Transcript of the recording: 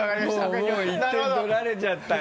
もう１点取られちゃったよ。